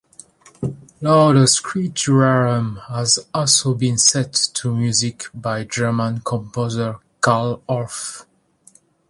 Laudes Creaturarum has also been set to music by German composer Carl Orff.